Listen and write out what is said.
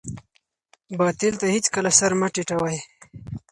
باطل ته هېڅکله سر مه ټیټوئ.